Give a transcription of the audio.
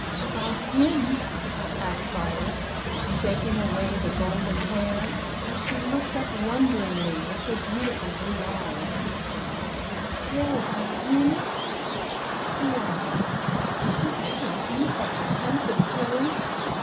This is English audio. "About him?" asked Violet, shaking away the golden hair as she looked up wonderingly with her beautiful blue eyes, "care about him? Why, did you ever see such a handsome toad?